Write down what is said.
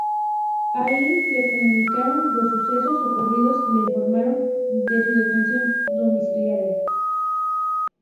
Allí, le comunicaron los sucesos ocurridos y le informaron de su detención domiciliaria.